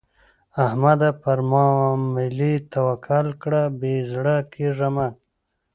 احمده؛ پر ماملې توکل کړه؛ بې زړه کېږه مه.